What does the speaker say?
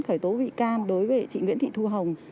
khởi tố bị can đối với chị nguyễn thị thu hồng